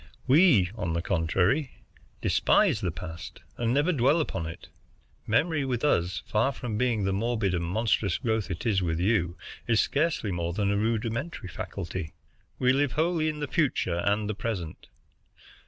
We, on the contrary, despise the past, and never dwell upon it. Memory with us, far from being the morbid and monstrous growth it is with you, is scarcely more than a rudimentary faculty. We live wholly in the future and the present.